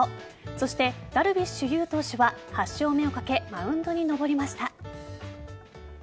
そして、ダルビッシュ有投手は８勝目をかけマウンドに上りました。